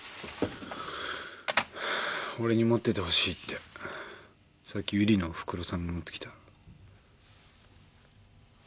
俺に持っててほしいってさっき由理のおふくろさんが持ってきた。